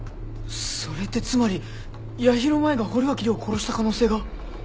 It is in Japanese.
それってつまり八尋舞が堀脇涼を殺した可能性が。